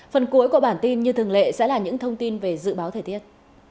phần cuối của bản tin như thường lệ sẽ là những thông tin về dự báo thời tiết